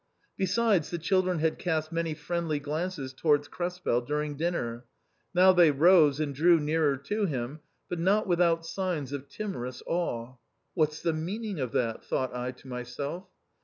Besides, the children had cast many friendly glances towards Krespel during dinner ; now they rose and drew nearer to him, but not without signs of timorous awe. What's the mean ing of that ? thought I to myself.